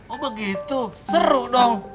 oh begitu seru dong